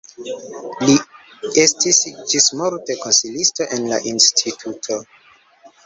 Li estis ĝismorte konsilisto en la instituto.